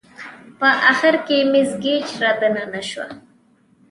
په اخره کې مس ګېج را دننه شوه.